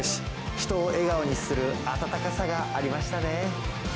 人を笑顔にする温かさがありましたね。